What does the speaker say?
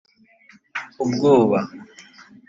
ubwoba